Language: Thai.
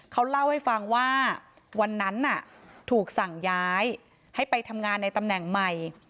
เขาเล่าให้ฟังว่าวันนั้นถูกสั่งย้ายให้ไปทำงานในตำแหน่งใหม่